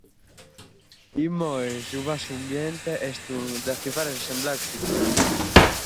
Immoe, su passu imbeniente est su de ativare s'assemblea costituente.